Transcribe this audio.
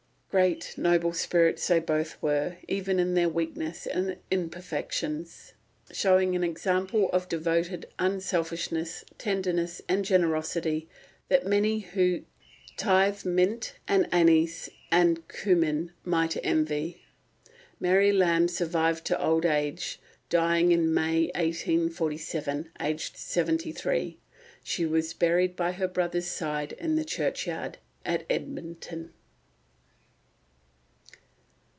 Great, noble spirits they both were, even in their weaknesses and imperfections, showing an example of devoted unselfishness, tenderness, and generosity that many who "tithe mint and anise and cummin" might envy. Mary Lamb survived to old age, dying in May 1847, aged seventy three. She was buried by her brother's side in the churchyard at Edmonton.